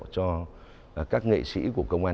cho các nghệ sĩ của công an